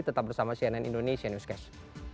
tetap bersama cnn indonesia newscast